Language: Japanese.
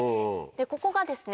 ここがですね